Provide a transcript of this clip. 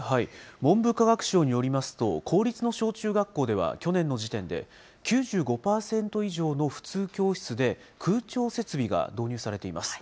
文部科学省によりますと、公立の小中学校では、去年の時点で、９５％以上の普通教室で空調設備が導入されています。